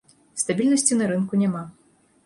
Стабільнасці на рынку няма.